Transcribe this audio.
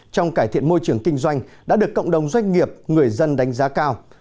trong cải thiện môi trường kinh doanh đã được cộng đồng doanh nghiệp người dân đánh giá cao